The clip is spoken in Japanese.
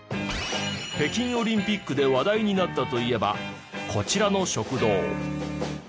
北京オリンピックで話題になったといえばこちらの食堂。